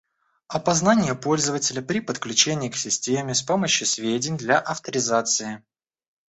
Опознание пользователя при подключении к системе с помощью сведений для авторизации